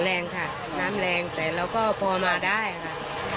แรงค่ะน้ำแรงแต่เราก็พอมาได้ค่ะ